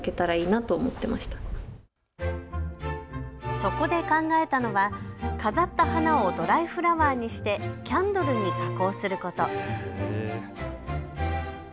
そこで考えたのは飾った花をドライフラワーにしてキャンドルに加工すること。